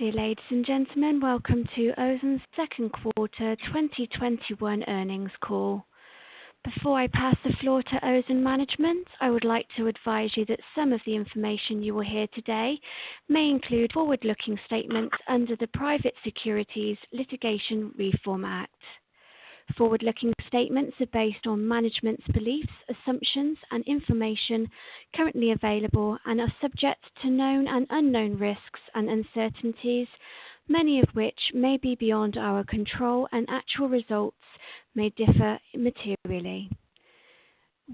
Dear ladies and gentlemen, welcome to Ozon's second quarter 2021 earnings call. Before I pass the floor to Ozon management, I would like to advise you that some of the information you will hear today may include forward-looking statements under the Private Securities Litigation Reform Act. Forward-looking statements are based on management's beliefs, assumptions, and information currently available, and are subject to known and unknown risks and uncertainties, many of which may be beyond our control, and actual results may differ materially.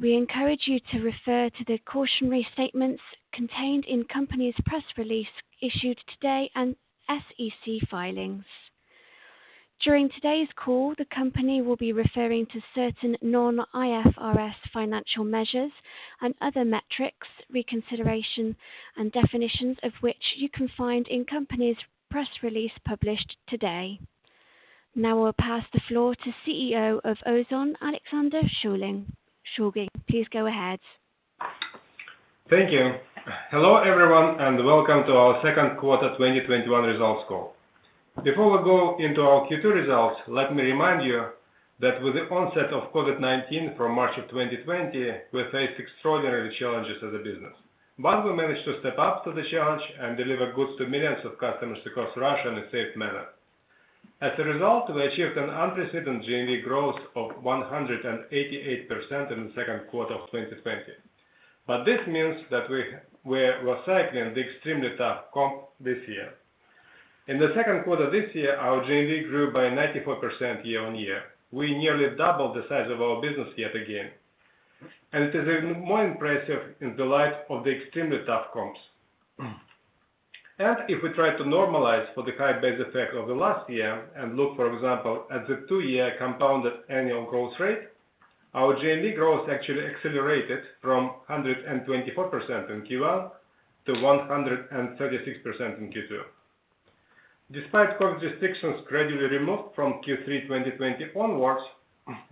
We encourage you to refer to the cautionary statements contained in company's press release issued today and SEC filings. During today's call, the company will be referring to certain non-IFRS financial measures and other metrics, reconciliation, and definitions of which you can find in company's press release published today. Now I'll pass the floor to CEO of Ozon, Alexander Shulgin. Shulgin, please go ahead. Thank you. Hello, everyone, and welcome to our second quarter 2021 results call. Before we go into our Q2 results, let me remind you that with the onset of COVID-19 from March of 2020, we faced extraordinary challenges as a business. We managed to step up to the challenge and deliver goods to millions of customers across Russia in a safe manner. As a result, we achieved an unprecedented GMV growth of 188% in the second quarter of 2020. This means that we were cycling the extremely tough comp this year. In the second quarter this year, our GMV grew by 94% year-on-year. We nearly doubled the size of our business yet again, and it is more impressive in the light of the extremely tough comps. If we try to normalize for the high base effect of the last year and look, for example, at the two-year compounded annual growth rate, our GMV growth actually accelerated from 124% in Q1 to 136% in Q2. Despite COVID restrictions gradually removed from Q3 2020 onwards,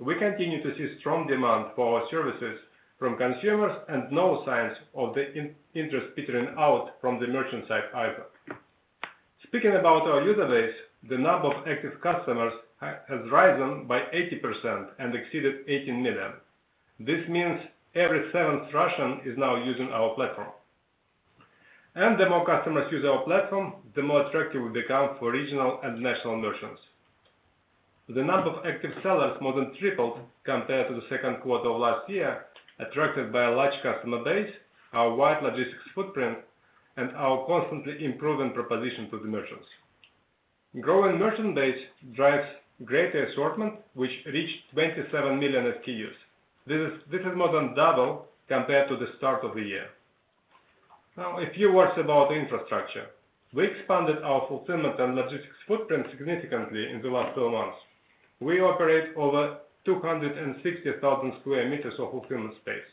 we continue to see strong demand for our services from consumers and no signs of the interest petering out from the merchant side either. Speaking about our user base, the number of active customers has risen by 80% and exceeded 18 million. This means every seventh Russian is now using our platform. The more customers use our platform, the more attractive we become for regional and national merchants. The number of active sellers more than tripled compared to the second quarter of last year, attracted by a large customer base, our wide logistics footprint, and our constantly improving proposition to the merchants. Growing merchant base drives greater assortment, which reached 27 million SKUs. This is more than double compared to the start of the year. A few words about infrastructure. We expanded our fulfillment and logistics footprint significantly in the last 12 months. We operate over 260,000 sq m of fulfillment space.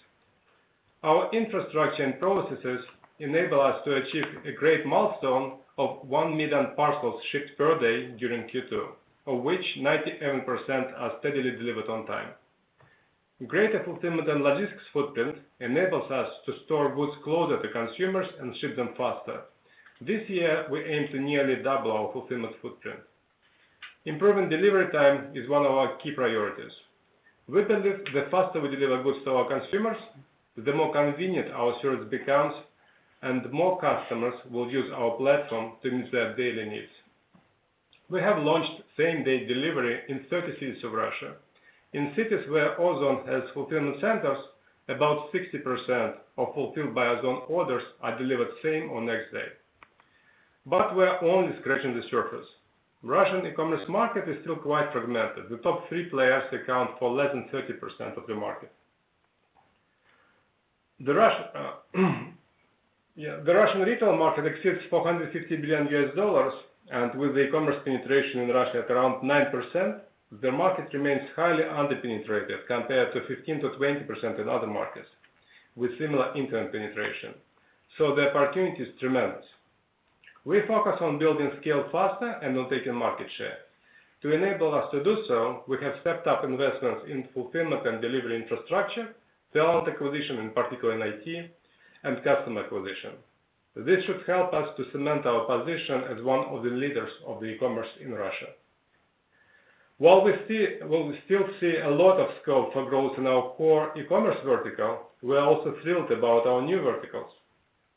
Our infrastructure and processes enable us to achieve a great milestone of one million parcels shipped per day during Q2, of which 97% are steadily delivered on time. Greater fulfillment and logistics footprint enables us to store goods closer to consumers and ship them faster. This year, we aim to nearly double our fulfillment footprint. Improving delivery time is one of our key priorities. We believe the faster we deliver goods to our consumers, the more convenient our service becomes, and more customers will use our platform to meet their daily needs. We have launched same-day delivery in 30 cities of Russia. In cities where Ozon has fulfillment centers, about 60% of Fulfilled by Ozon orders are delivered same or next day. We're only scratching the surface. Russian e-commerce market is still quite fragmented. The top three players account for less than 30% of the market. The Russian retail market exceeds $450 billion, with the e-commerce penetration in Russia at around 9%, the market remains highly under-penetrated compared to 15%-20% in other markets with similar internet penetration. The opportunity is tremendous. We focus on building scale faster and on taking market share. To enable us to do so, we have stepped up investments in fulfillment and delivery infrastructure, talent acquisition, in particular in IT, and customer acquisition. This should help us to cement our position as one of the leaders of the e-commerce in Russia. While we still see a lot of scope for growth in our core e-commerce vertical, we're also thrilled about our new verticals.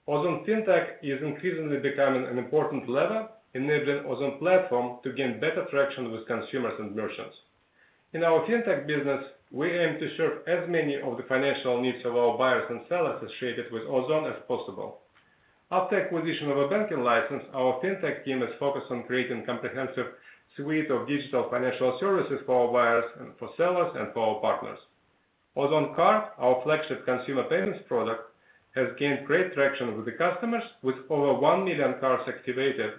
Ozon Fintech is increasingly becoming an important lever, enabling Ozon platform to gain better traction with consumers and merchants. In our Fintech business, we aim to serve as many of the financial needs of our buyers and sellers associated with Ozon as possible. After acquisition of a banking license, our Fintech team is focused on creating comprehensive suite of digital financial services for our buyers and for sellers and for our partners. Ozon Card, our flagship consumer payments product, has gained great traction with the customers with over one million cards activated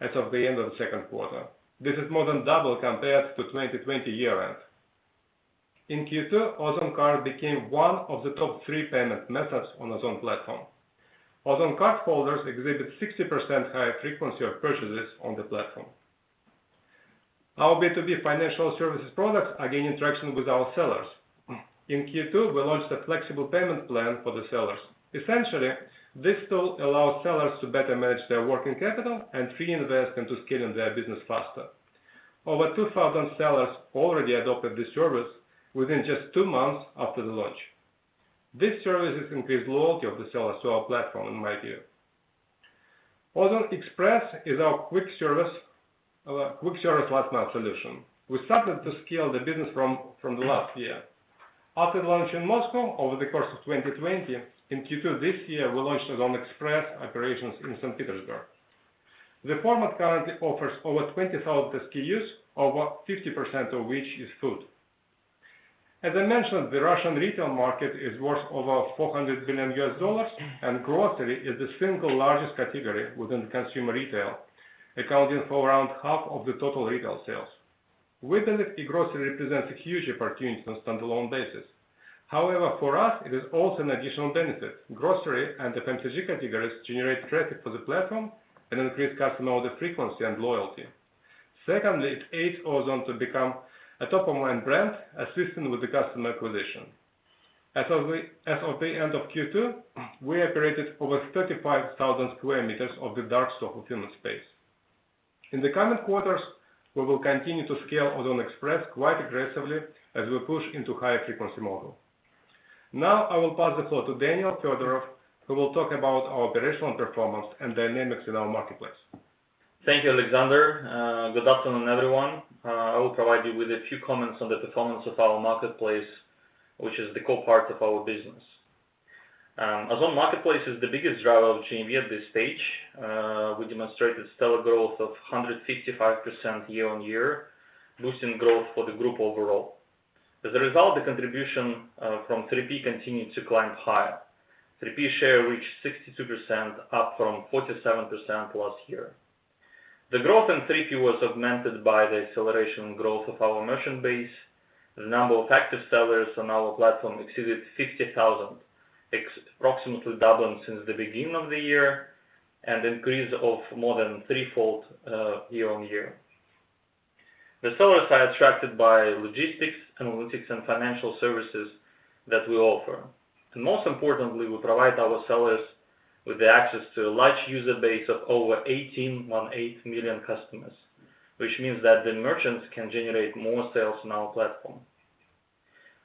as of the end of the second quarter. This is more than double compared to 2020 year-end. In Q2, Ozon Card became one of the top three payment methods on Ozon platform. Ozon Card holders exhibit 60% higher frequency of purchases on the platform. Our B2B financial services products are gaining traction with our sellers. In Q2, we launched a flexible payment plan for the sellers. Essentially, this tool allows sellers to better manage their working capital and free investment to scaling their business faster. Over 2,000 sellers already adopted this service within just two months after the launch. This service has increased loyalty of the sellers to our platform, in my view. Ozon Express is our quick service last mile solution. We started to scale the business from the last year. After launch in Moscow, over the course of 2020, in Q2 this year, we launched Ozon Express operations in St. Petersburg. The format currently offers over 20,000 SKUs, over 50% of which is food. As I mentioned, the Russian retail market is worth over $400 billion, and grocery is the single largest category within consumer retail, accounting for around half of the total retail sales. We believe e-grocery represents a huge opportunity on a standalone basis. However, for us, it is also an additional benefit. Grocery and FMCG categories generate traffic for the platform and increase customer order frequency and loyalty. Secondly, it aids Ozon to become a top-of-mind brand, assisting with the customer acquisition. As of the end of Q2, we operated over 35,000 sq m of the dark store fulfillment space. In the coming quarters, we will continue to scale Ozon Express quite aggressively as we push into higher frequency model. Now, I will pass the floor to Daniil Fedorov, who will talk about our operational performance and dynamics in our marketplace. Thank you, Alexander. Good afternoon, everyone. I will provide you with a few comments on the performance of our Ozon Marketplace, which is the core part of our business. Ozon Marketplace is the biggest driver of GMV at this stage. We demonstrated stellar growth of 155% year-on-year, boosting growth for the group overall. As a result, the contribution from 3P continued to climb higher. 3P share reached 62%, up from 47% last year. The growth in 3P was augmented by the acceleration growth of our merchant base. The number of active sellers on our platform exceeded 50,000, approximately doubled since the beginning of the year, and increase of more than threefold year-on-year. The sellers are attracted by logistics, analytics, and financial services that we offer. Most importantly, we provide our sellers with the access to a large user base of over 18.8 million customers, which means that the merchants can generate more sales on our platform.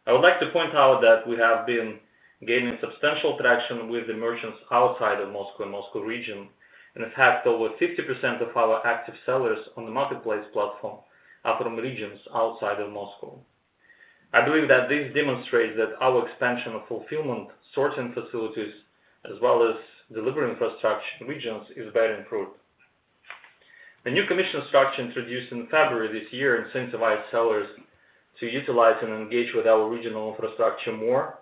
I would like to point out that we have been gaining substantial traction with the merchants outside of Moscow and Moscow region, and in fact, over 50% of our active sellers on the marketplace platform are from regions outside of Moscow. I believe that this demonstrates that our expansion of fulfillment sorting facilities as well as delivery infrastructure in regions is very improved. The new commission structure introduced in February this year incentivized sellers to utilize and engage with our regional infrastructure more.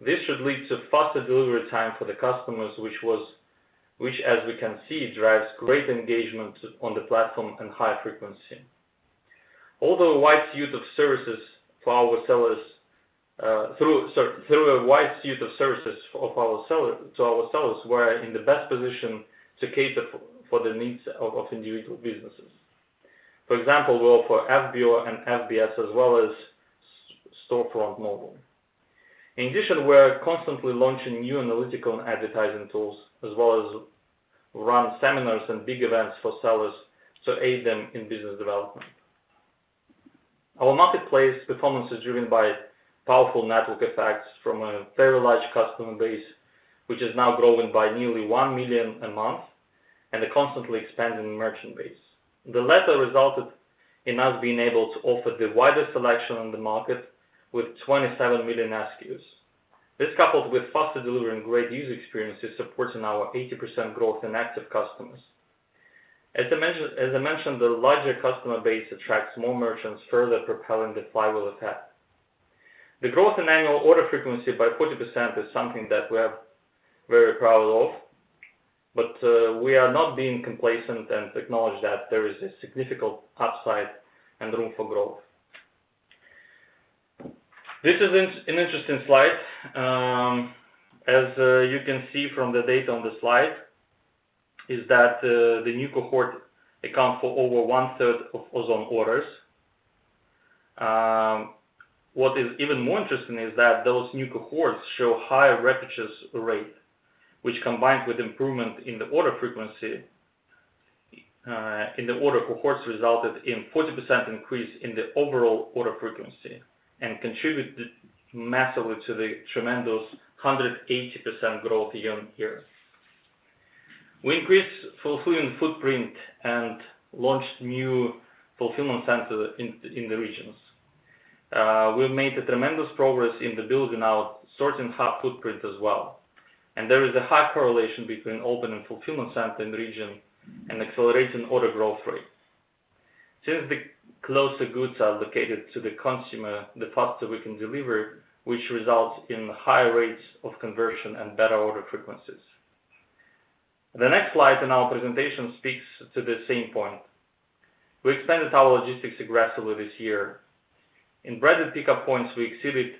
This should lead to faster delivery time for the customers, which as we can see, drives great engagement on the platform and high frequency. Through a wide suite of services to our sellers, we're in the best position to cater for the needs of individual businesses. For example, we offer FBO and FBS, as well as Storefront Mobile. In addition, we're constantly launching new analytical and advertising tools, as well as run seminars and big events for sellers to aid them in business development. Our marketplace performance is driven by powerful network effects from a very large customer base, which is now growing by nearly one million a month and a constantly expanding merchant base. The latter resulted in us being able to offer the widest selection on the market with 27 million SKUs. This, coupled with faster delivery and great user experience, is supporting our 80% growth in active customers. As I mentioned, the larger customer base attracts more merchants, further propelling the flywheel effect. The growth in annual order frequency by 40% is something that we are very proud of, we are not being complacent and acknowledge that there is a significant upside and room for growth. This is an interesting slide. As you can see from the data on the slide, the new cohort account for over 1/3 of Ozon orders. What is even more interesting is that those new cohorts show higher repurchase rate, which combined with improvement in the order cohorts, resulted in 40% increase in the overall order frequency and contributed massively to the tremendous 180% growth year-over-year. We increased fulfillment footprint and launched new fulfillment center in the regions. We made a tremendous progress in the building out sorting hub footprint as well, there is a high correlation between opening fulfillment center in region and accelerating order growth rate. Since the closer goods are located to the consumer, the faster we can deliver, which results in higher rates of conversion and better order frequencies. The next slide in our presentation speaks to the same point. We expanded our logistics aggressively this year. In branded pickup points, we exceeded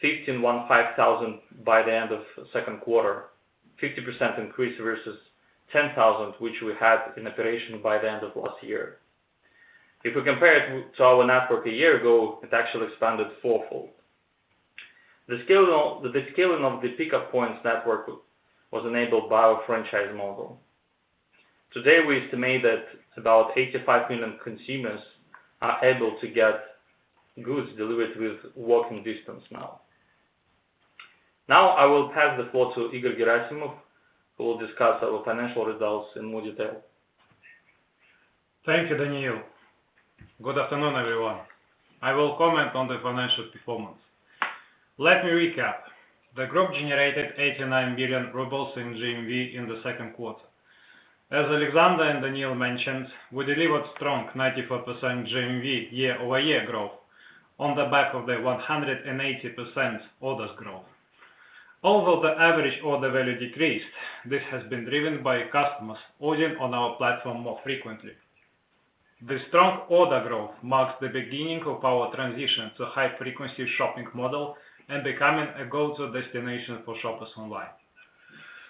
15,500 by the end of second quarter, 50% increase versus 10,000, which we had in operation by the end of last year. If we compare it to our network a year ago, it actually expanded fourfold. The scaling of the pickup points network was enabled by our franchise model. Today, we estimate that about 85 million consumers are able to get goods delivered within walking distance now. Now, I will pass the floor to Igor Gerasimov, who will discuss our financial results in more detail. Thank you, Daniil. Good afternoon, everyone. I will comment on the financial performance. Let me recap. The group generated 89 billion rubles in GMV in the second quarter. As Alexander and Daniil mentioned, we delivered strong 94% GMV year-over-year growth on the back of the 180% orders growth. Although the average order value decreased, this has been driven by customers ordering on our platform more frequently. The strong order growth marks the beginning of our transition to high-frequency shopping model and becoming a go-to destination for shoppers online.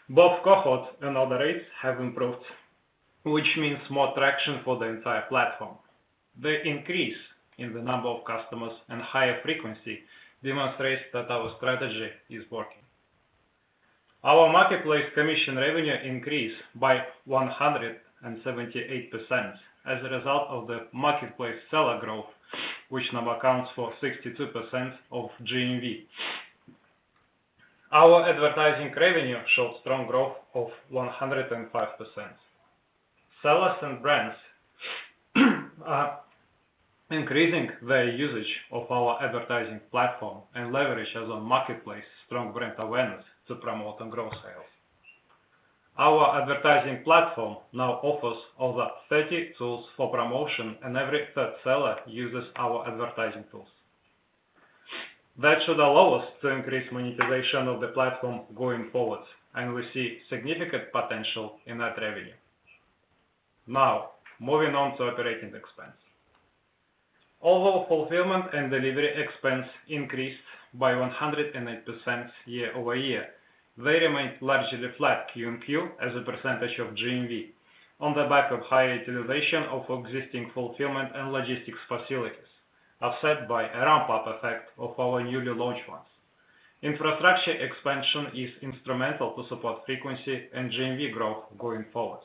Both cohort and order rates have improved, which means more traction for the entire platform. The increase in the number of customers and higher frequency demonstrates that our strategy is working. Our Marketplace commission revenue increased by 178% as a result of the marketplace seller growth, which now accounts for 62% of GMV. Our advertising revenue showed strong growth of 105%. Sellers and brands are increasing their usage of our advertising platform and leverage Ozon Marketplace's strong brand awareness to promote and grow sales. Our advertising platform now offers over 30 tools for promotion, and every third seller uses our advertising tools. That should allow us to increase monetization of the platform going forward, and we see significant potential in ad revenue. Now, moving on to operating expense. Although fulfillment and delivery expense increased by 108% year-over-year, they remained largely flat QoQ as a percentage of GMV on the back of high utilization of existing fulfillment and logistics facilities. Offset by a ramp-up effect of our newly launched ones. Infrastructure expansion is instrumental to support frequency and GMV growth going forward.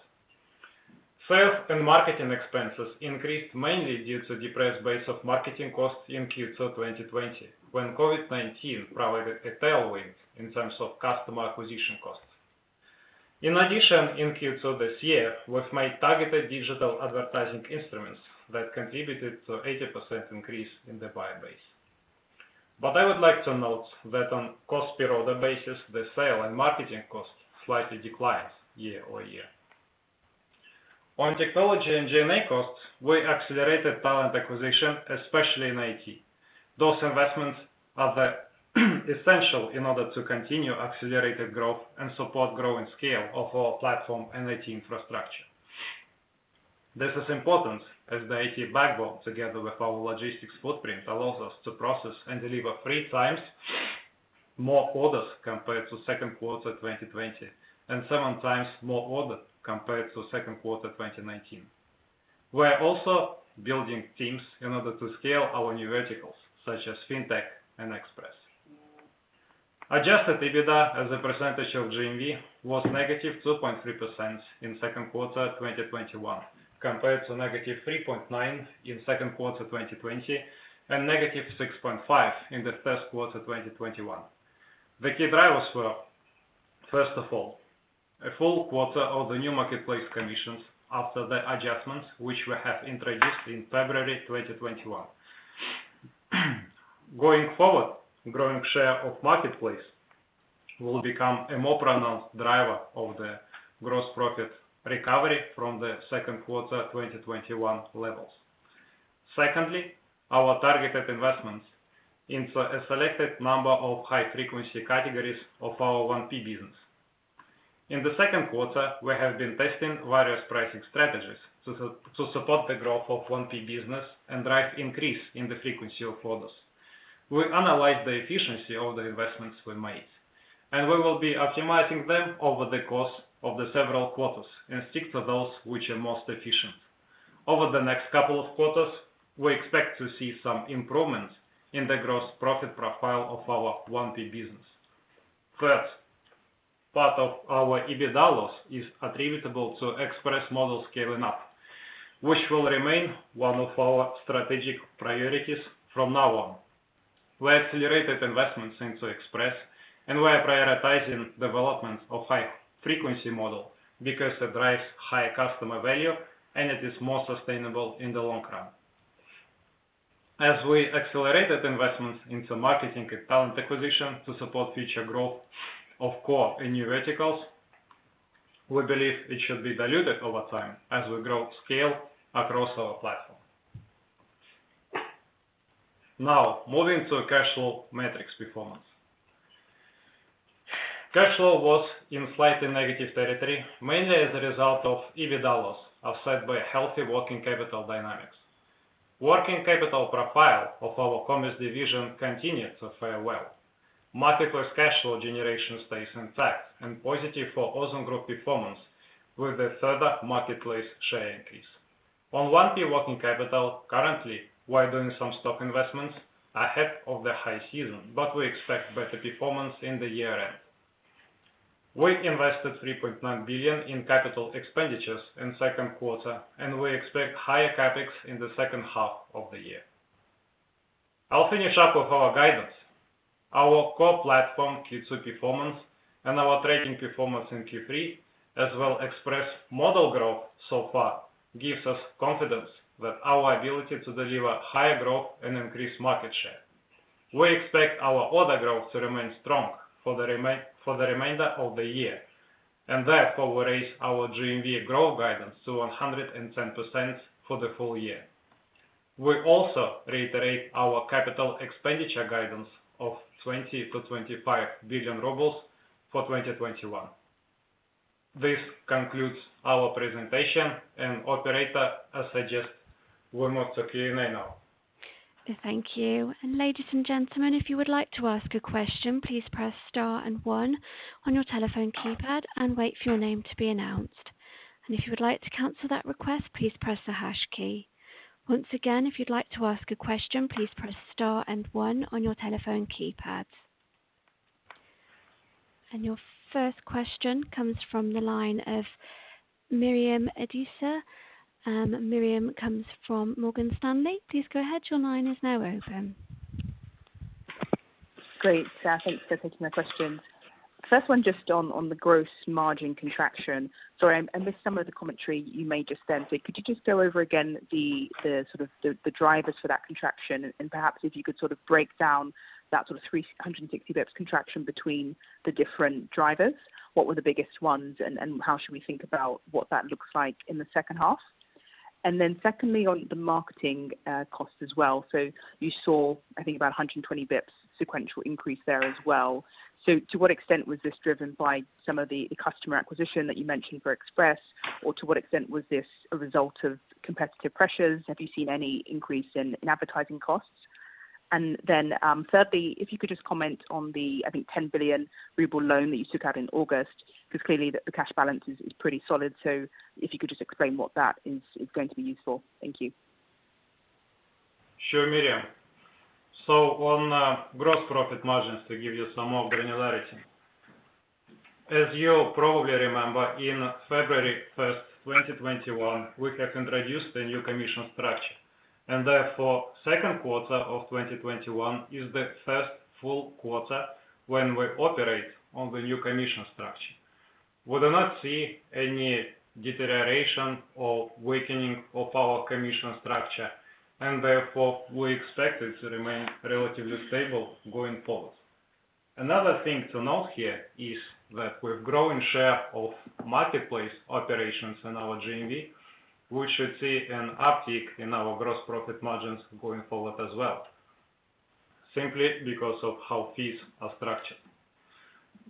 Sales and marketing expenses increased mainly due to depressed base of marketing costs in Q2 2020, when COVID-19 provided a tailwind in terms of customer acquisition costs. In addition, in Q2 this year, we've made targeted digital advertising instruments that contributed to 80% increase in the buyer base. I would like to note that on cost per order basis, the sale and marketing cost slightly declines year-over-year. On technology and G&A costs, we accelerated talent acquisition, especially in IT. Those investments are essential in order to continue accelerated growth and support growing scale of our platform and IT infrastructure. This is important as the IT backbone, together with our logistics footprint, allows us to process and deliver 3x more orders compared to second quarter 2020 and 7x more orders compared to second quarter 2019. We're also building teams in order to scale our new verticals, such as Fintech and Express. Adjusted EBITDA as a percentage of GMV was -2.3% in second quarter 2021 compared to -3.9% in second quarter 2020 and -6.5% in the first quarter 2021. The key drivers were, first of all, a full quarter of the new marketplace commissions after the adjustments which we have introduced in February 2021. Going forward, growing share of marketplace will become a more pronounced driver of the gross profit recovery from the second quarter 2021 levels. Secondly, our targeted investments into a selected number of high-frequency categories of our 1P business. In the second quarter, we have been testing various pricing strategies to support the growth of 1P business and drive increase in the frequency of orders. We analyzed the efficiency of the investments we made, and we will be optimizing them over the course of the several quarters and stick to those which are most efficient. Over the next couple of quarters, we expect to see some improvement in the gross profit profile of our 1P business. Third, part of our EBITDA loss is attributable to Express model scaling up, which will remain one of our strategic priorities from now on. We accelerated investments into Express and we are prioritizing development of high-frequency model because it drives high customer value and it is more sustainable in the long run. We accelerated investments into marketing and talent acquisition to support future growth of core and new verticals, we believe it should be diluted over time as we grow scale across our platform. Moving to cash flow metrics performance. Cash flow was in slightly negative territory, mainly as a result of EBITDA loss, offset by healthy working capital dynamics. Working capital profile of our Commerce division continued to fare well. Marketplace cash flow generation stays intact and positive for Ozon Group performance with a further marketplace share increase. On 1P working capital, currently, we're doing some stock investments ahead of the high season, but we expect better performance in the year-end. We invested 3.9 billion in capital expenditures in second quarter. We expect higher CapEx in the second half of the year. I'll finish up with our guidance. Our core platform, Q2 performance, and our trading performance in Q3, as well Express model growth so far, gives us confidence with our ability to deliver higher growth and increase market share. We expect our order growth to remain strong for the remainder of the year. Therefore, we raise our GMV growth guidance to 110% for the full year. We also reiterate our capital expenditure guidance of 20 billion-25 billion rubles for 2021. This concludes our presentation, and Operator, I suggest we move to Q&A now. Thank you. Ladies and gentlemen, if you would like to ask a question, please press star one on your telephone keypad and wait for your name to be announced. If you would like to cancel that request, please press the hash key. Once again, if you would like to ask a question, please press star one on your telephone keypad. Your first question comes from the line of Miriam Adisa. Miriam comes from Morgan Stanley. Please go ahead. Your line is now open. Great. Thanks for taking my questions. First one on the gross margin contraction. Sorry, I missed some of the commentary you made just then. Could you go over again the drivers for that contraction? Perhaps if you could break down that sort of 360 basis points contraction between the different drivers. What were the biggest ones, and how should we think about what that looks like in the second half? Secondly, on the marketing costs as well. You saw, I think, about 120 basis points sequential increase there as well. To what extent was this driven by some of the customer acquisition that you mentioned for Express, or to what extent was this a result of competitive pressures? Have you seen any increase in advertising costs? Thirdly, if you could just comment on the, I think, 10 billion ruble loan that you took out in August, because clearly the cash balance is pretty solid. If you could just explain what that is, it's going to be useful? Thank you. Sure, Miriam. On gross profit margins, to give you some more granularity. As you probably remember, in February 1st, 2021, we have introduced a new commission structure, and therefore second quarter of 2021 is the first full quarter when we operate on the new commission structure. We do not see any deterioration or weakening of our commission structure, and therefore we expect it to remain relatively stable going forward. Another thing to note here is that with growing share of marketplace operations in our GMV. We should see an uptick in our gross profit margins going forward as well, simply because of how fees are structured.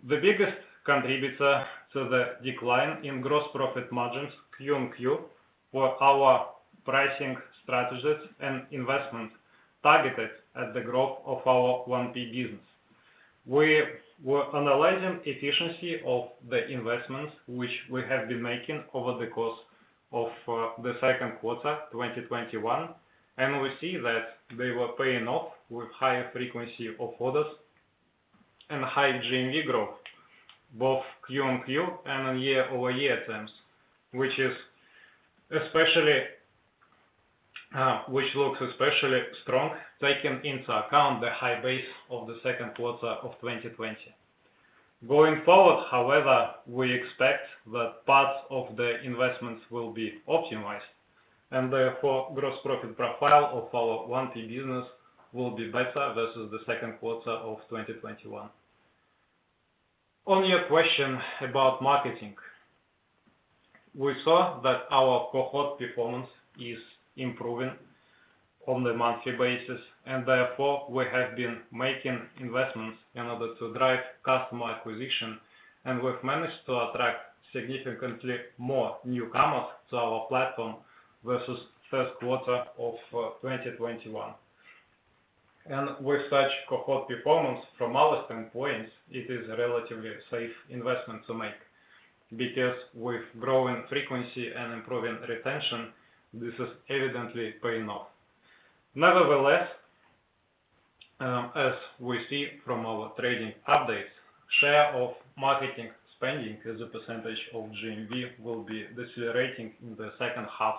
The biggest contributor to the decline in gross profit margins QoQ were our pricing strategies and investment targeted at the growth of our 1P business. We were analyzing efficiency of the investments which we have been making over the course of the second quarter 2021, and we see that they were paying off with higher frequency of orders and high GMV growth, both QoQ and on year-over-year terms, which looks especially strong taking into account the high base of the second quarter of 2020. Going forward, however, we expect that parts of the investments will be optimized, and therefore gross profit profile of our 1P business will be better versus the second quarter of 2021. On your question about marketing, we saw that our cohort performance is improving on the monthly basis, and therefore we have been making investments in order to drive customer acquisition, and we've managed to attract significantly more newcomers to our platform versus first quarter of 2021. With such cohort performance from our standpoint, it is a relatively safe investment to make because with growing frequency and improving retention, this is evidently paying off. Nevertheless, as we see from our trading updates, share of marketing spending as a percentage of GMV will be decelerating in the second half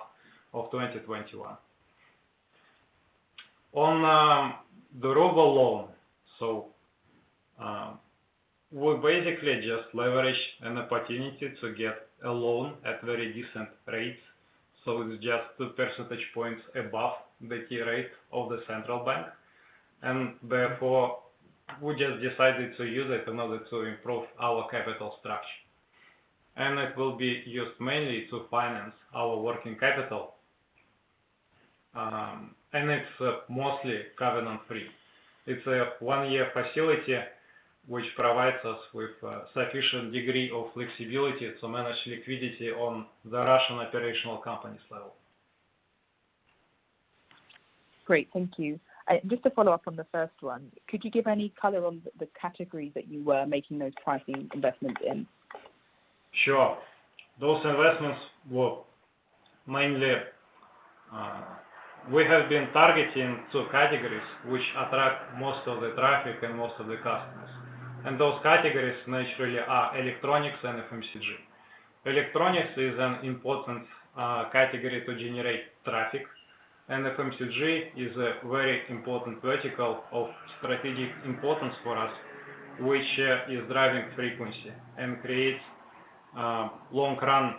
of 2021. On the RUB loan, we basically just leveraged an opportunity to get a loan at very decent rates. It's just 2 percentage points above the key rate of the central bank, and therefore we just decided to use it in order to improve our capital structure. It will be used mainly to finance our working capital. It's mostly covenant free. It's a one-year facility which provides us with sufficient degree of flexibility to manage liquidity on the Russian operational companies level. Great, thank you. Just to follow up on the first one, could you give any color on the categories that you were making those pricing investments in? Sure. Those investments were mainly, we have been targeting two categories which attract most of the traffic and most of the customers. Those categories naturally are Electronics and FMCG. Electronics is an important category to generate traffic, and FMCG is a very important vertical of strategic importance for us, which is driving frequency and creates long-run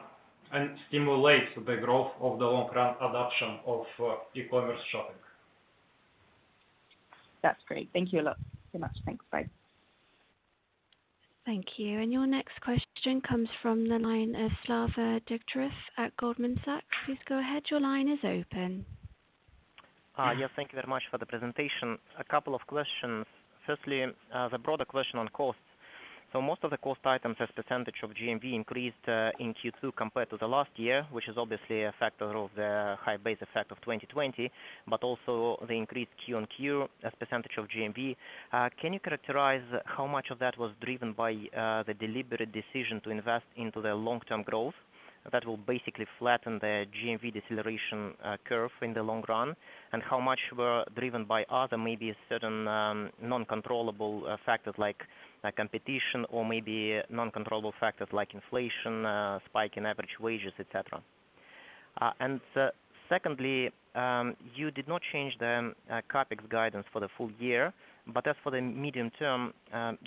and stimulates the growth of the long-run adoption of e-commerce shopping. That's great. Thank you a lot. Thanks very much. Thanks. Bye. Thank you. Your next question comes from the line of Vyacheslav Degtyarev at Goldman Sachs. Please go ahead. Your line is open. Yes, thank you very much for the presentation. A couple of questions. Firstly, the broader question on costs. Most of the cost items as percentage of GMV increased in Q2 compared to the last year, which is obviously a factor of the high base effect of 2020, but also the increased QoQ as percentage of GMV. Can you characterize how much of that was driven by the deliberate decision to invest into the long-term growth that will basically flatten the GMV deceleration curve in the long run? How much were driven by other, maybe certain noncontrollable factors like competition or maybe noncontrollable factors like inflation, spike in average wages, et cetera? Secondly, you did not change the CapEx guidance for the full year, but as for the medium term,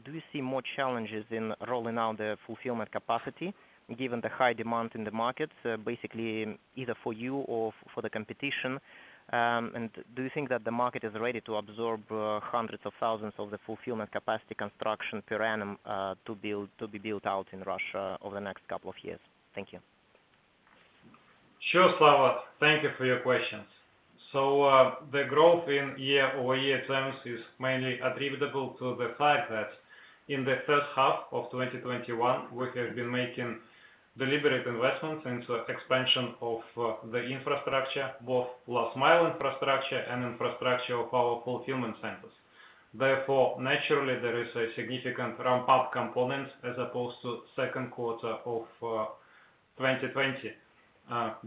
do you see more challenges in rolling out the fulfillment capacity given the high demand in the markets, basically either for you or for the competition? Do you think that the market is ready to absorb hundreds of thousands of the fulfillment capacity construction per annum, to be built out in Russia over the next couple of years? Thank you. Sure Vyacheslav. Thank you for your questions. The growth in year-over-year terms is mainly attributable to the fact that in the first half of 2021. We have been making deliberate investments into expansion of the infrastructure, both last mile infrastructure and infrastructure of our fulfillment centers. Therefore, naturally there is a significant ramp up component as opposed to second quarter of 2020.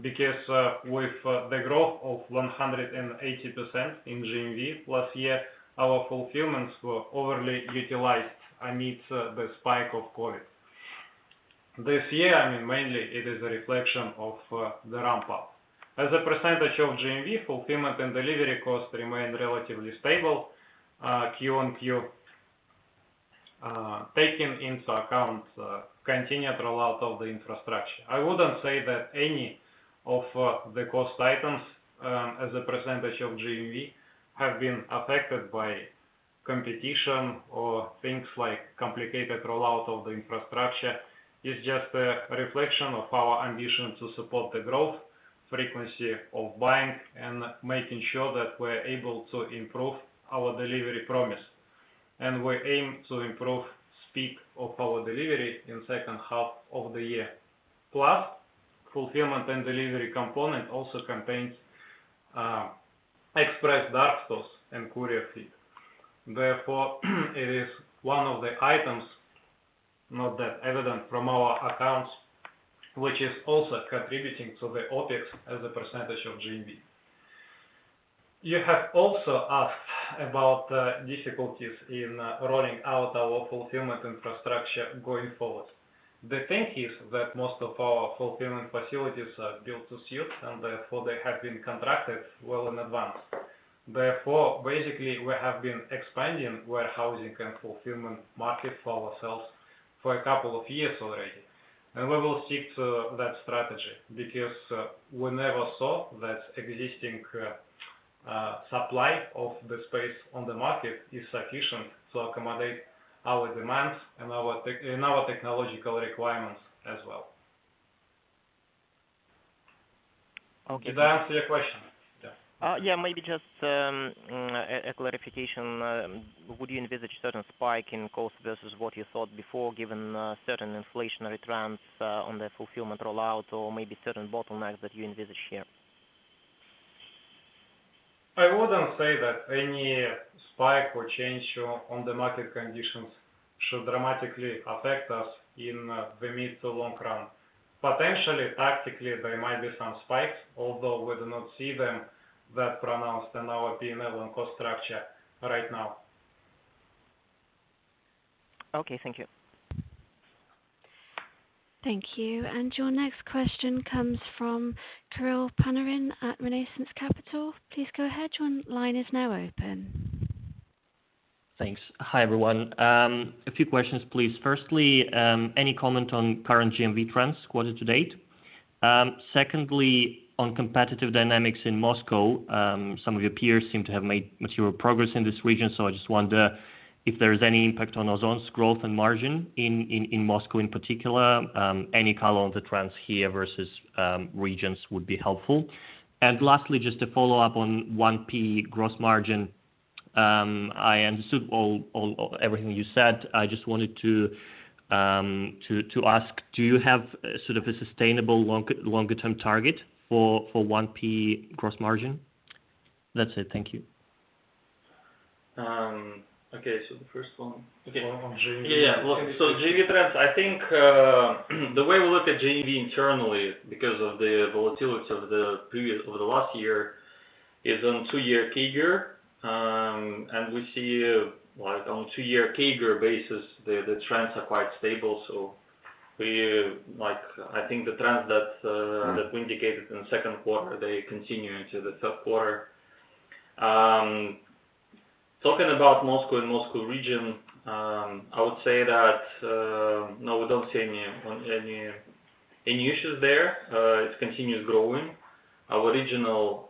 Because with the growth of 180% in GMV last year, our fulfillments were overly utilized amidst the spike of COVID. This year, I mean, mainly it is a reflection of the ramp up. As a percentage of GMV, fulfillment and delivery costs remain relatively stable QoQ, taking into account continued rollout of the infrastructure. I wouldn't say that any of the cost items, as a percentage of GMV, have been affected by competition or things like complicated rollout of the infrastructure. It's just a reflection of our ambition to support the growth, frequency of buying, and making sure that we're able to improve our delivery promise. We aim to improve speed of our delivery in second half of the year. Fulfillment and delivery component also contains express dark stores and courier fee. It is one of the items, not that evident from our accounts, which is also contributing to the OpEx as a percentage of GMV. You have also asked about difficulties in rolling out our fulfillment infrastructure going forward. The thing is that most of our fulfillment facilities are built to suit, and therefore they have been contracted well in advance. Basically, we have been expanding warehousing and fulfillment market for ourselves for a couple of years already, and we will stick to that strategy because we never saw that existing supply of the space on the market is sufficient to accommodate our demands and our technological requirements as well. Okay. Did I answer your question? Yeah. Yeah. Maybe just a clarification. Would you envisage certain spike in cost versus what you thought before, given certain inflationary trends on the fulfillment rollout or maybe certain bottlenecks that you envisage here? I wouldn't say that any spike or change on the market conditions should dramatically affect us in the mid to long run. Potentially, tactically, there might be some spikes, although we do not see them that pronounced in our P&L and cost structure right now. Okay, thank you. Thank you. Your next question comes from Kirill Panarin at Renaissance Capital. Thanks. Hi, everyone. A few questions, please. Firstly, any comment on current GMV trends quarter-to-date? Secondly, on competitive dynamics in Moscow, some of your peers seem to have made mature progress in this region. I just wonder if there is any impact on Ozon's growth and margin in Moscow in particular. Any color on the trends here versus regions would be helpful. Lastly, just to follow up on 1P gross margin. I understood everything you said. I just wanted to ask, do you have a sustainable longer-term target for 1P gross margin? That's it. Thank you. Okay. The first one. Yeah. GMV trends, I think, the way we look at GMV internally, because of the volatility of the last year, is on two-year CAGR. We see on a two-year CAGR basis, the trends are quite stable. I think the trends that we indicated in the second quarter, they continue into the third quarter. Talking about Moscow and Moscow region, I would say that, no, we don't see any issues there. It continues growing. Our regional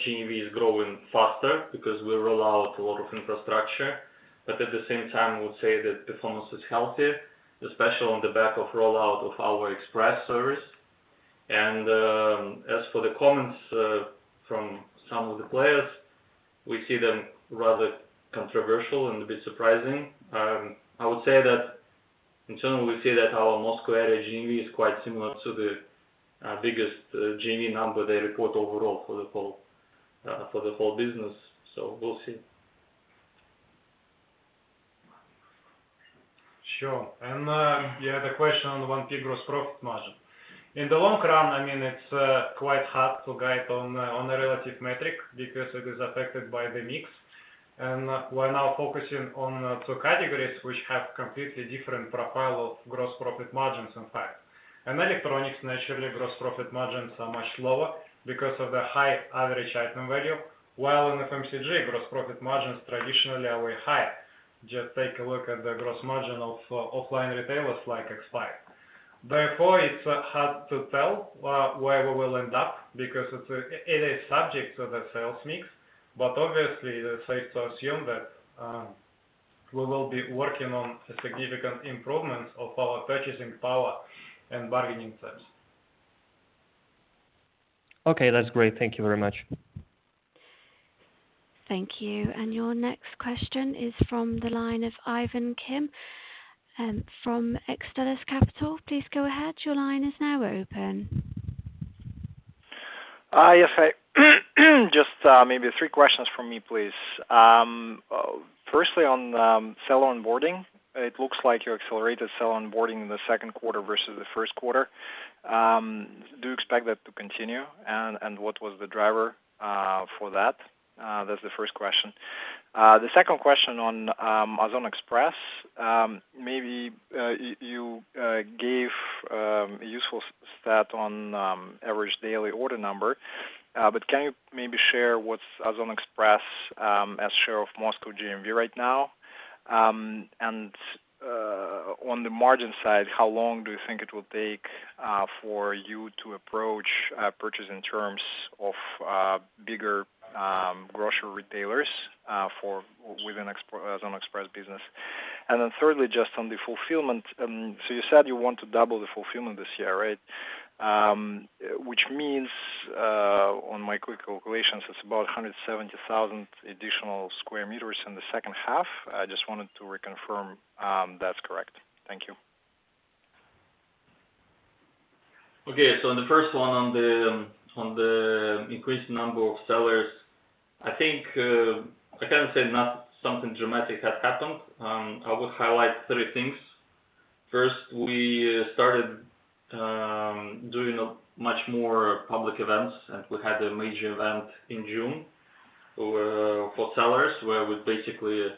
GMV is growing faster because we roll out a lot of infrastructure. At the same time, I would say that performance is healthy, especially on the back of rollout of our express service. As for the comments from some of the players, we see them rather controversial and a bit surprising. I would say that internally we see that our Moscow area GMV is quite similar to the biggest GMV number they report overall for the whole business. We'll see. Sure. Yeah, the question on 1P gross profit margin. In the long run, it's quite hard to guide on a relative metric because it is affected by the mix. We're now focusing on two categories, which have completely different profile of gross profit margins, in fact. In Electronics, naturally, gross profit margins are much lower because of the high average item value, while in FMCG, gross profit margins traditionally are way higher. Just take a look at the gross margin of offline retailers like X5. Therefore, it's hard to tell where we will end up because it is subject to the sales mix. Obviously, it's safe to assume that we will be working on a significant improvement of our purchasing power and bargaining terms. Okay. That's great. Thank you very much. Thank you. Your next question is from the line of Ivan Kim from Xtellus Capital. Please go ahead. Your line is now open. Hi. Just maybe three questions from me, please. Firstly, on seller onboarding, it looks like you accelerated seller onboarding in the second quarter versus the first quarter. Do you expect that to continue? What was the driver for that? That's the first question. The second question on Ozon Express. Maybe you gave a useful stat on average daily order number. Can you maybe share what's Ozon Express as share of Moscow GMV right now? On the margin side, how long do you think it will take for you to approach purchasing terms of bigger grocery retailers within Ozon Express business? Thirdly, just on the fulfillment. You said you want to double the fulfillment this year, right? Which means, on my quick calculations, it's about 170,000 additional sq m in the second half. I just wanted to reconfirm that's correct. Thank you. Okay. On the first one, on the increased number of sellers, I think I can say not something dramatic has happened. I would highlight three things. First, we started doing much more public events, and we had a major event in June for sellers, where we basically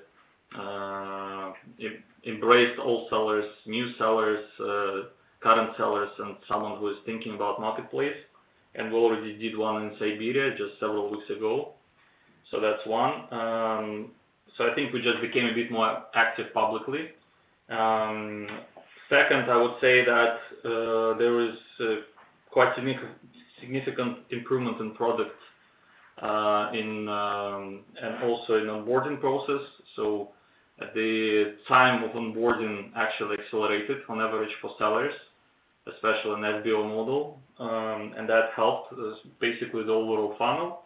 embraced all sellers, new sellers, current sellers, and someone who is thinking about marketplace. We already did one in Siberia just several weeks ago. That's one. I think we just became a bit more active publicly. Second, I would say that there is quite a significant improvement in product, and also in onboarding process. At the time of onboarding actually accelerated on average for sellers, especially in FBO model. That helped basically the overall funnel.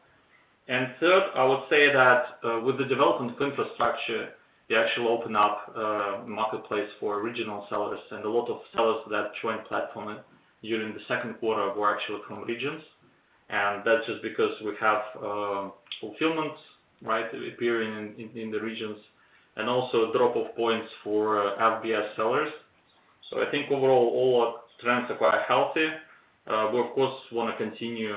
Third, I would say that with the development of infrastructure, you actually open up a marketplace for regional sellers, and a lot of sellers that joined platform during the second quarter were actually from regions. That's just because we have fulfillments, right, appearing in the regions, and also drop-off points for FBS sellers. I think overall, all our trends are quite healthy. We, of course, want to continue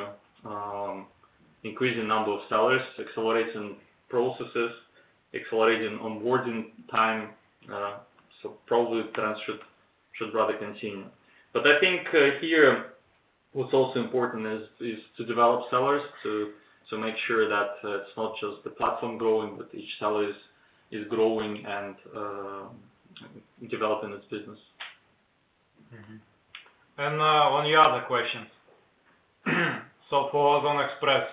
increasing number of sellers, accelerating processes, accelerating onboarding time. Probably trends should rather continue. I think here what's also important is to develop sellers to make sure that it's not just the platform growing, but each seller is growing and developing its business. On your other questions. For Ozon Express,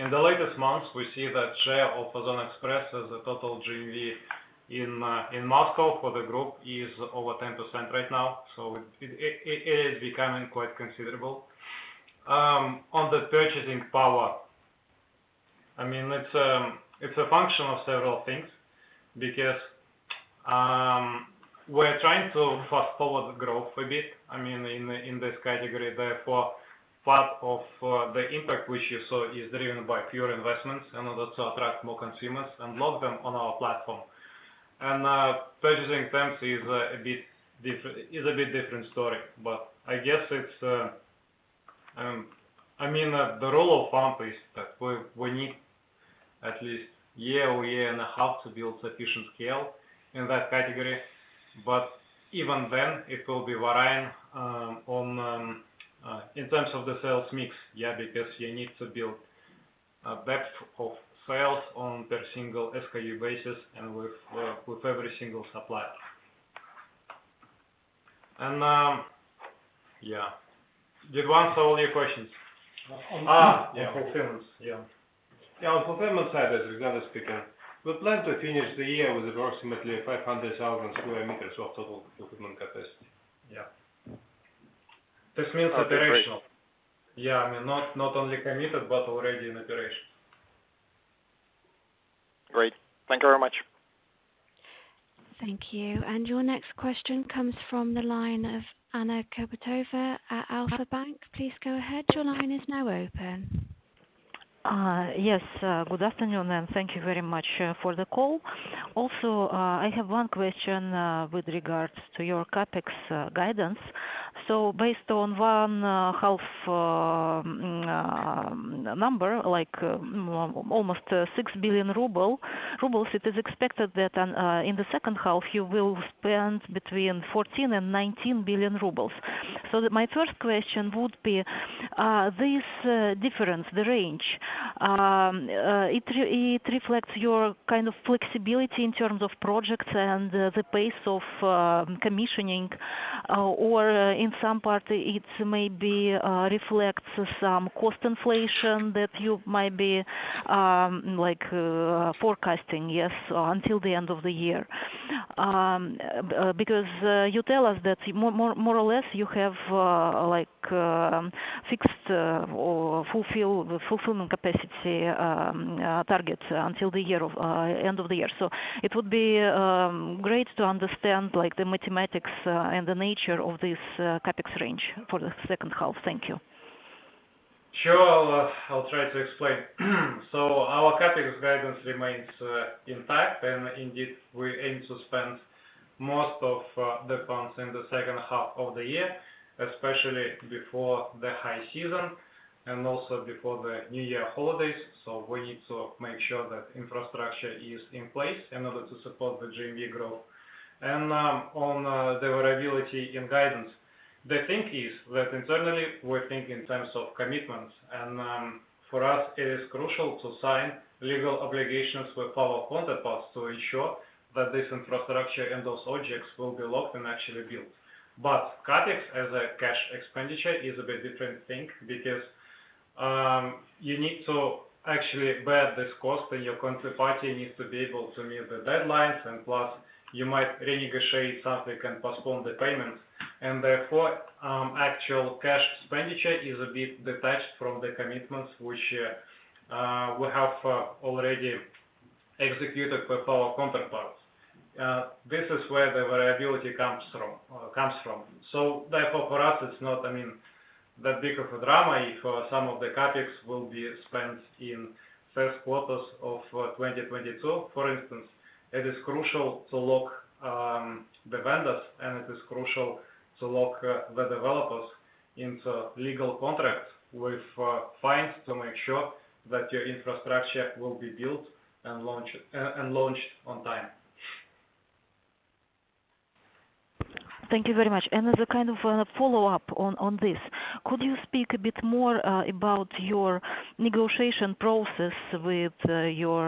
in the latest months, we see that share of Ozon Express as a total GMV in Moscow for the group is over 10% right now, so it is becoming quite considerable. On the purchasing power, it's a function of several things because we're trying to fast-forward growth a bit in this category. Therefore, part of the impact which you saw is driven by pure investments in order to attract more consumers and lock them on our platform. Purchasing trends is a bit different story. The rule of thumb is that we need at least a year or a year and a half to build sufficient scale in that category, but even then it will be varying in terms of the sales mix. You need to build a breadth of sales on per single SKU basis and with every single supplier. Did I answer all your questions? On fulfillment. On fulfillment side, as Alexander speaking, we plan to finish the year with approximately 500,000 sq m of total fulfillment capacity. This means operational. Not only committed, but already in operation. Great. Thank you very much. Thank you. Your next question comes from the line of Anna Kurbatova at Alfa-Bank. Please go ahead. Yes. Good afternoon, thank you very much for the call. Also, I have one question with regards to your CapEx guidance. Based on 1/2 number, like almost 6 billion ruble, it is expected that in the second half you will spend between 14 billion and 19 billion rubles. My first question would be this difference, the range, it reflects your kind of flexibility in terms of projects and the pace of commissioning or in some part it maybe reflects some cost inflation that you might be forecasting yes, until the end of the year? Because you tell us that more or less you have fixed or fulfillment capacity targets until the end of the year. It would be great to understand the mathematics and the nature of this CapEx range for the second half? Thank you. Sure. I'll try to explain. Our CapEx guidance remains intact, and indeed, we aim to spend most of the funds in the second half of the year, especially before the high season and also before the new year holidays. We need to make sure that infrastructure is in place in order to support the GMV growth. On the variability in guidance, the thing is that internally, we think in terms of commitments, and for us, it is crucial to sign legal obligations with our counterparts to ensure that this infrastructure and those objects will be locked and actually built. CapEx as a cash expenditure is a bit different thing because you need to actually bear this cost, and your counterparty needs to be able to meet the deadlines. Plus you might renegotiate something and postpone the payments, and therefore, actual cash expenditure is a bit detached from the commitments which we have already executed with our counterparts. This is where the variability comes from. Therefore, for us, it's not that big of a drama if some of the CapEx will be spent in first quarters of 2022. For instance, it is crucial to lock the vendors, and it is crucial to lock the developers into legal contracts with fines to make sure that your infrastructure will be built and launched on time. Thank you very much. As a kind of a follow-up on this, could you speak a bit more about your negotiation process with your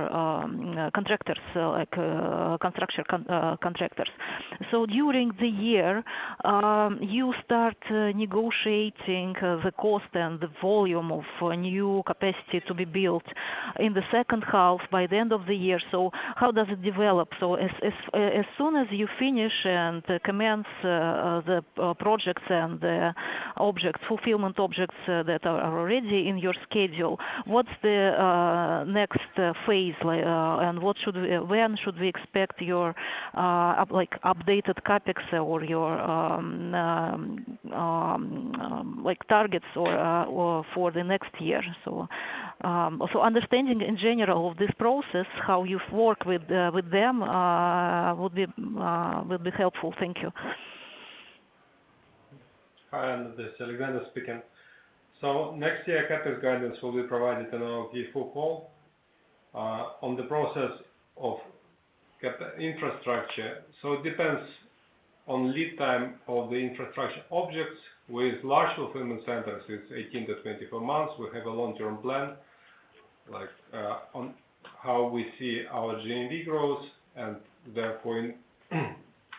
contractors, like construction contractors? During the year, you start negotiating the cost and the volume of new capacity to be built in the second half by the end of the year. How does it develop? As soon as you finish and commence the projects and the fulfillment objects that are already in your schedule, what's the next phase? When should we expect your updated CapEx or your targets for the next year? Understanding in general this process, how you've worked with them would be helpful. Thank you. Hi, Anna. This is Alexander speaking. Next year, CapEx guidance will be provided in our Q4 call. On the process of infrastructure, it depends on lead time of the infrastructure objects. With large fulfillment centers, it's 18 months-24 months. We have a long-term plan on how we see our GMV growth, and therefore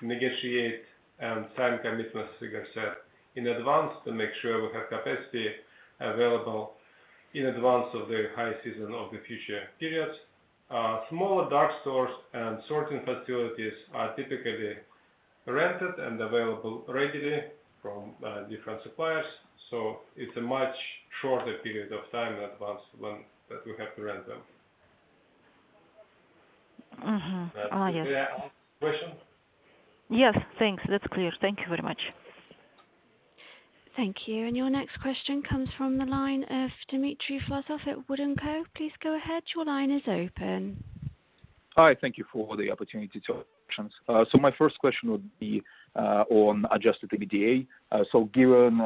negotiate and sign commitments, like I said, in advance to make sure we have capacity available in advance of the high season of the future periods. Smaller dark stores and sorting facilities are typically rented and available readily from different suppliers. It's a much shorter period of time in advance that we have to rent them. Oh, yes. Does that answer your question? Yes, thanks. That's clear. Thank you very much. Thank you. Your next question comes from the line of Dmitry Vlasov at WOOD & Co. Please go ahead. Your line is open. Hi. Thank you for the opportunity to ask questions. My first question would be on adjusted EBITDA. Given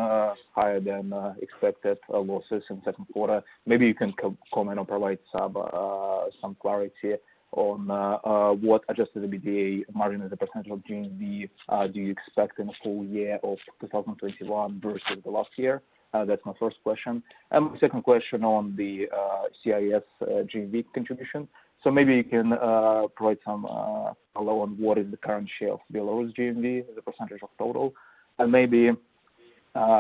higher than expected losses in second quarter, maybe you can comment or provide some clarity on what adjusted EBITDA margin as a percentage of GMV do you expect in the full year of 2021 versus the last year? That's my first question. My second question on the CIS GMV contribution. Maybe you can provide some color on what is the current share of Belarus GMV as a percentage of total, and maybe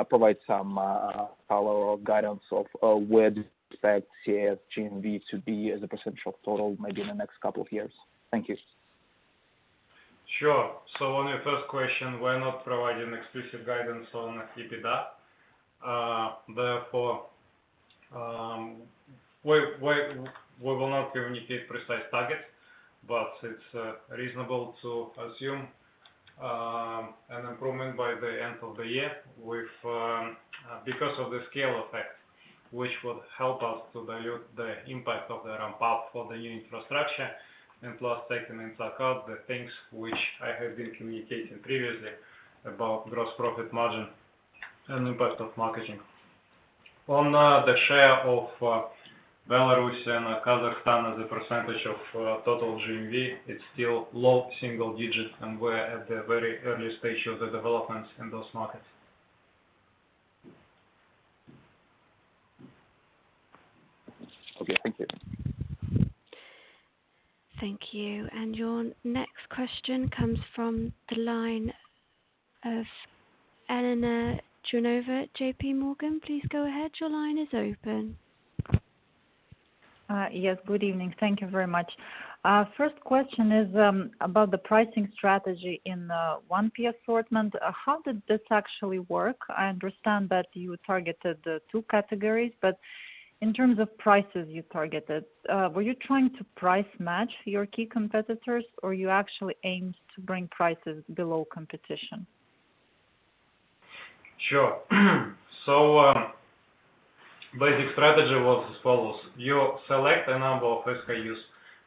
provide some color or guidance of where do you expect CIS GMV to be as a percentage of total maybe in the next couple of years? Thank you. Sure. On your first question, we're not providing explicit guidance on EBITDA. Therefore, we will not communicate precise targets. It's reasonable to assume an improvement by the end of the year because of the scale effect, which would help us to dilute the impact of the ramp-up for the new infrastructure. Plus, taking into account the things which I have been communicating previously about gross profit margin and impact of marketing. On the share of Belarus and Kazakhstan as a percentage of total GMV, it's still low single digits, and we're at the very early stage of the developments in those markets. Okay, thank you. Thank you. Your next question comes from the line of Elena Jouronova at JPMorgan. Please go ahead. Your line is open. Yes, good evening. Thank you very much. First question is about the pricing strategy in the 1P assortment. How did this actually work? I understand that you targeted the two categories, but in terms of prices you targeted. Were you trying to price match your key competitors or you actually aimed to bring prices below competition? Sure. Basic strategy was as follows. You select a number of SKUs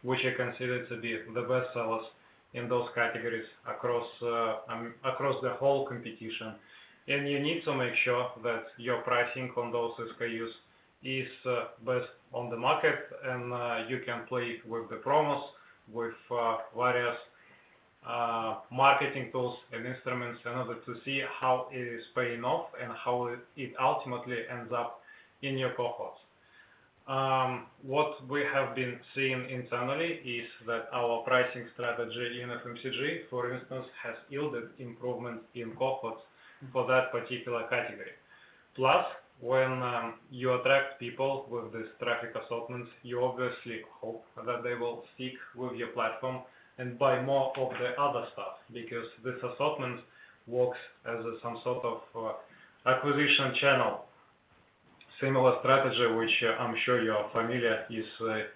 which are considered to be the best sellers in those categories across the whole competition. You need to make sure that your pricing on those SKUs is best on the market, and you can play with the promos, with various marketing tools and instruments in order to see how it is paying off and how it ultimately ends up in your cohorts. What we have been seeing internally is that our pricing strategy in FMCG, for instance, has yielded improvements in cohorts for that particular category. Plus, when you attract people with this traffic assortment, you obviously hope that they will stick with your platform and buy more of the other stuff because this assortment works as some sort of acquisition channel. Similar strategy, which I'm sure you are familiar, is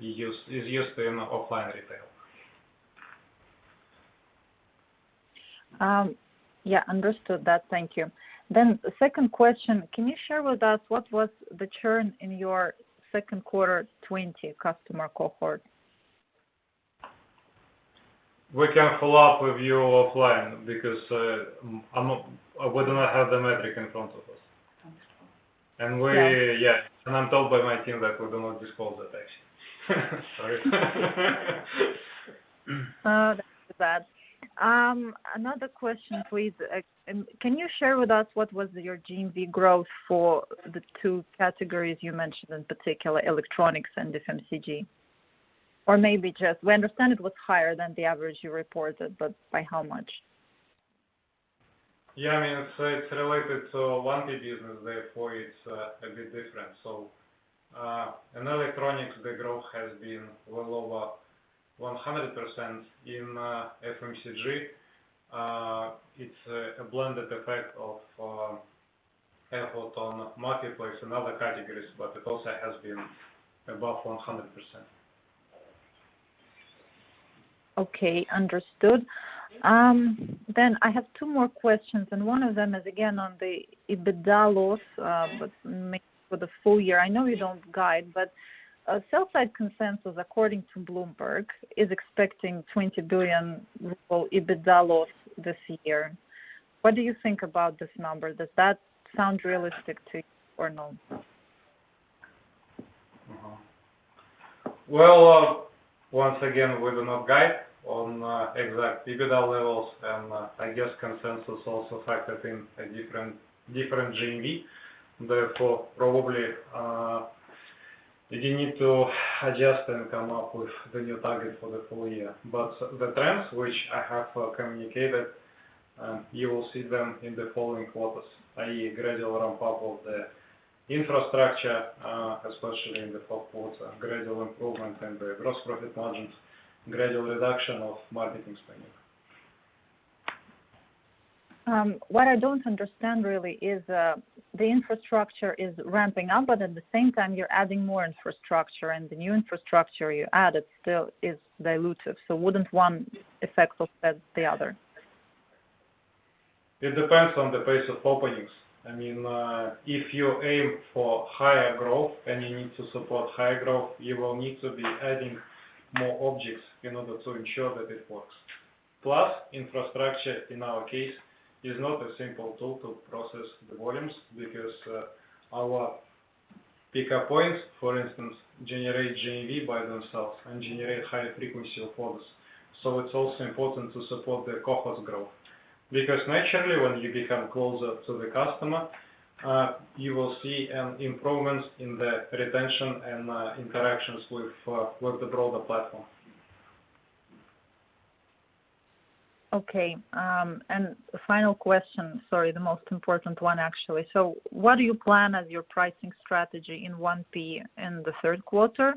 used in offline retail. Yeah, understood that. Thank you. Second question, can you share with us what was the churn in your second quarter 2020 customer cohort? We can follow up with you offline because we do not have the metric in front of us. I'm told by my team that we do not disclose that actually. Sorry. Oh, that's too bad. Another question, please. Can you share with us what was your GMV growth for the two categories you mentioned, in particular Electronics and FMCG? Maybe just, we understand it was higher than the average you reported, but by how much? Yeah. It's related to 1P business, therefore it's a bit different. In Electronics, the growth has been well over 100%. In FMCG, it's a blended effect of effort on marketplace and other categories, but it also has been above 100%. Okay, understood. I have two more questions, and one of them is again on the EBITDA loss, but maybe for the full year. I know you don't guide, sell side consensus according to Bloomberg is expecting 20 billion ruble EBITDA loss this year. What do you think about this number? Does that sound realistic to you or no? Well, once again, we do not guide on exact EBITDA levels, and I guess consensus also factored in a different GMV. Therefore, probably you need to adjust and come up with the new target for the full year. The trends which I have communicated and you will see them in the following quarters, i.e., gradual ramp-up of the infrastructure, especially in the fourth quarter, gradual improvement in the gross profit margins, gradual reduction of marketing spending. What I don't understand really is the infrastructure is ramping up, but at the same time, you're adding more infrastructure, and the new infrastructure you added still is dilutive. Wouldn't one effect offset the other? It depends on the pace of openings. If you aim for higher growth and you need to support higher growth, you will need to be adding more objects in order to ensure that it works. Plus, infrastructure, in our case, is not a simple tool to process the volumes because our pickup points, for instance, generate GMV by themselves and generate high frequency of orders. It is also important to support the customer's growth, because naturally, when you become closer to the customer, you will see an improvement in the retention and interactions with the broader platform. Okay. Final question, sorry, the most important one, actually. What do you plan as your pricing strategy in 1P in the third quarter,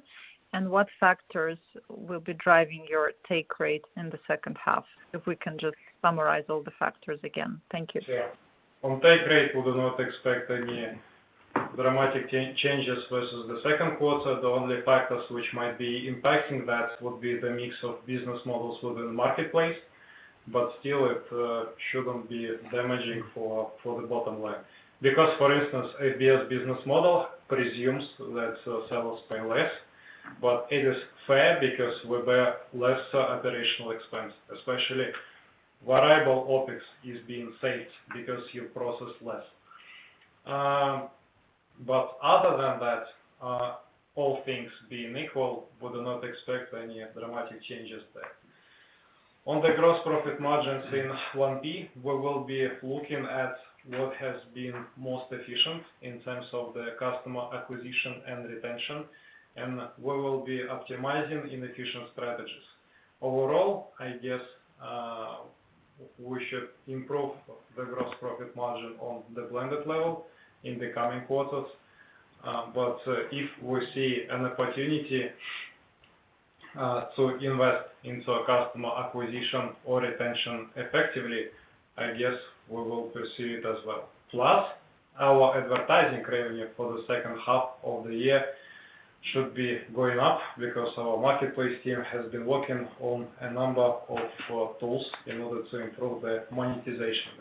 and what factors will be driving your take rate in the second half? If we can just summarize all the factors again. Thank you. Sure. On take rate, we do not expect any dramatic changes versus the second quarter. The only factors which might be impacting that would be the mix of business models within the marketplace, but still, it shouldn't be damaging for the bottom line. For instance, FBS business model presumes that sellers pay less, but it is fair because we bear lesser operational expense, especially variable OpEx is being saved because you process less. Other than that, all things being equal, we do not expect any dramatic changes there. On the gross profit margins in 1P, we will be looking at what has been most efficient in terms of the customer acquisition and retention, and we will be optimizing inefficient strategies. Overall, I guess, we should improve the gross profit margin on the blended level in the coming quarters. If we see an opportunity to invest into a customer acquisition or retention effectively, I guess we will pursue it as well. Our advertising revenue for the second half of the year should be going up because our Marketplace team has been working on a number of tools in order to improve the monetization.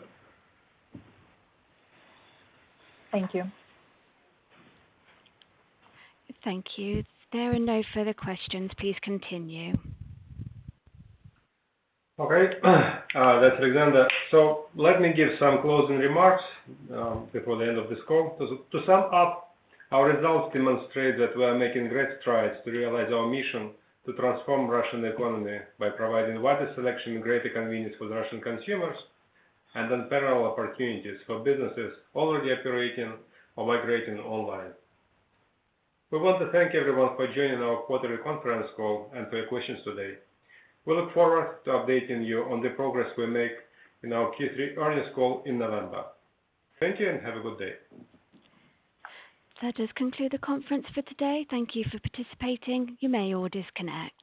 Thank you. Thank you. There are no further questions. Please continue. Okay. It's Alexander. Let me give some closing remarks before the end of this call. To sum up, our results demonstrate that we are making great strides to realize our mission to transform Russian economy by providing wider selection and greater convenience for the Russian consumers, and unparalleled opportunities for businesses already operating or migrating online. We want to thank everyone for joining our quarterly conference call and for your questions today. We look forward to updating you on the progress we make in our Q3 earnings call in November. Thank you, and have a good day. That does conclude the conference for today. Thank you for participating. You may all disconnect.